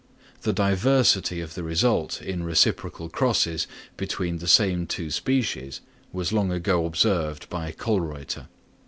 The diversity of the result in reciprocal crosses between the same two species was long ago observed by Kölreuter.